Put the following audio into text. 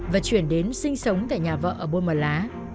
và chuyển đến sinh sống tại nhà vợ ở buôn mà lá